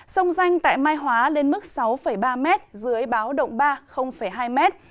sông danh tại mai hóa lên mức sáu ba m dưới báo động ba hai m